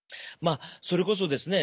それこそですね